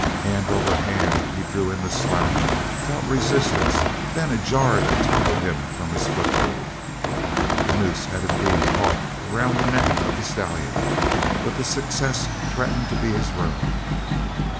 Hand over hand he drew in the slack, felt resistance, then a jar that toppled him from his foothold. The noose had indeed caught around the neck of the stallion, but the success threatened to be his ruin.